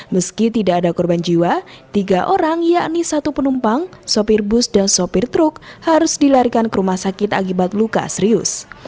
meski tidak ada korban jiwa tiga orang yakni satu penumpang sopir bus dan sopir truk harus dilarikan ke rumah sakit akibat luka serius